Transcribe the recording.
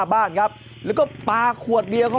เบิร์ตลมเสียโอ้โห